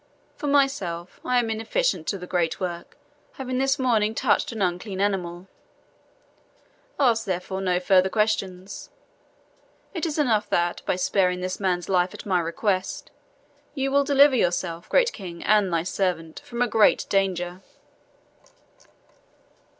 For myself, I am inefficient to the great work, having this morning touched an unclean animal. Ask, therefore, no further questions; it is enough that, by sparing this man's life at my request, you will deliver yourself, great King, and thy servant, from a great danger."